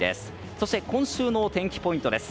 そして、今週の天気ポイントです。